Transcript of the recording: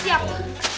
ini apa d